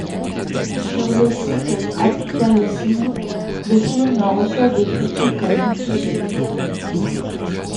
Sur le site d'Allociné, le film reçoit des critiques mitigées.